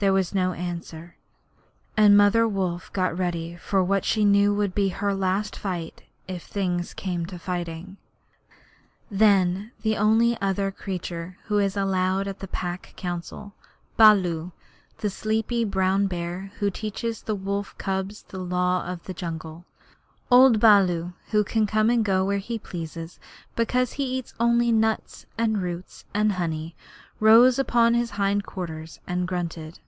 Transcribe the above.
There was no answer, and Mother Wolf got ready for what she knew would be her last fight, if things came to fighting. Then the only other creature who is allowed at the Pack Council Baloo, the sleepy brown bear who teaches the wolf cubs the Law of the Jungle: old Baloo, who can come and go where he pleases because he eats only nuts and roots and honey rose up on his hind quarters and grunted.